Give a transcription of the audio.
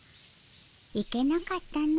行けなかったの。